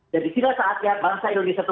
dan disini adalah saat yang bangsa indonesia itu